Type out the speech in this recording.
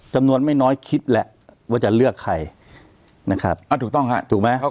จำนวนไม่น้อยคิดแหละว่าจะเลือกใครนะครับถูกต้องค่ะ